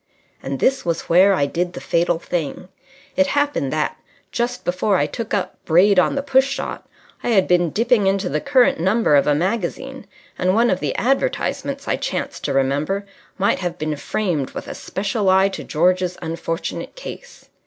And this was where I did the fatal thing. It happened that, just before I took up "Braid on the Push Shot," I had been dipping into the current number of a magazine, and one of the advertisements, I chanced to remember, might have been framed with a special eye to George's unfortunate case.